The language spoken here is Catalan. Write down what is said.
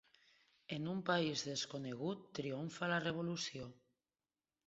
En un país desconegut triomfa la revolució.